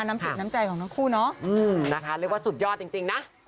น้ำสุดน้ำใจของน้องคู่เนอะอืมนะคะเรียกว่าสุดยอดจริงจริงนะ